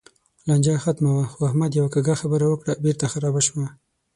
لانجه ختمه وه؛ خو احمد یوه کږه خبره وکړه، بېرته خرابه شوه.